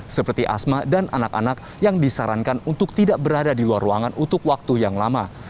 seperti asma dan anak anak yang disarankan untuk tidak berada di luar ruangan untuk waktu yang lama